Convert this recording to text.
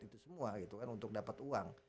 itu semua gitu kan untuk dapat uang